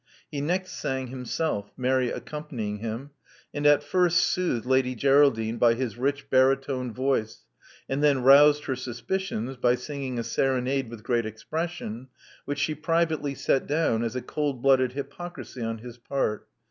He next sang himself, Mary accompanying him, and at first soothed Lady Geraldine by his rich baritone voice, and then roused her suspicions by singing a serenade with great expression, which she privately set down as a cold blooded hypocrisy on his part.